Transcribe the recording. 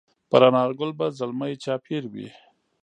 پر انارګل به زلمي چاپېروي